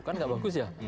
kan nggak bagus ya